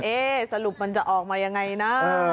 สรุปมันจะออกมายังไงนะ